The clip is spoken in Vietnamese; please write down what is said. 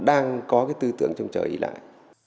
đang có cái tư tưởng trông chờ ý lại